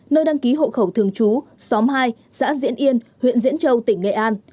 nơi đăng ký hộ khẩu thường trú xóm hai xã diễn yên huyện diễn châu tỉnh nghệ an